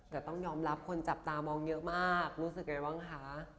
แต่ต้องยอมรับคนจับตามองเยอะมากรู้สึกไงบ้างคะ